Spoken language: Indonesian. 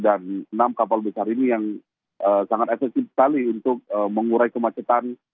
dan enam kapal besar ini yang sangat efektif sekali untuk mengurai kemacetan